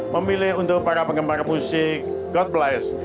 memilih untuk para penggemar musik god bless